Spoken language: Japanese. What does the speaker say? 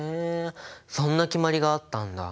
そんな決まりがあったんだ。